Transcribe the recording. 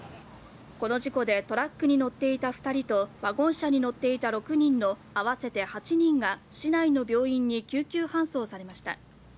この事故でトラックに乗っていた２人とワゴン車に乗っていた６人の合わせて８人が市内の病院に救急搬送されました。